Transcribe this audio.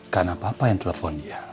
karena papa yang telepon dia